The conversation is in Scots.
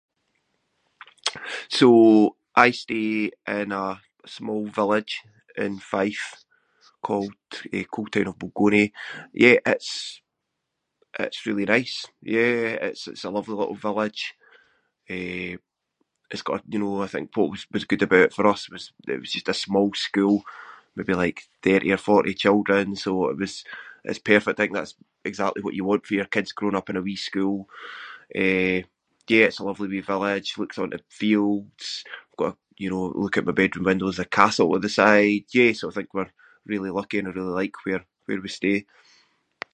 So, I stay in a small village in Fife called, eh, Coaltown of Balgonie. Yeah it’s- it’s really nice, yeah, it’s- it’s a lovely little village. Eh, it’s got, you know, what was good about it for us was it was just a small school, maybe like thirty or forty children, so it was- it’s perfect. I think that’s exactly what you want for your kids growing up in a wee school. Eh, yeah, it’s a lovely wee village, looks onto fields, got a, you know, look out my bedroom window there’s a castle at the side. Yeah, so I think we’re really lucky and I really like where- where we stay.